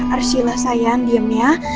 arsila sayang diam ya